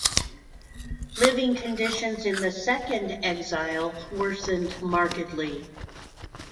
Living conditions in the "second exile" worsened markedly.